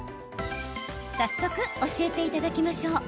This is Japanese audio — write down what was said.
早速、教えていただきましょう。